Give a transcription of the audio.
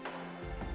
dia juga menangis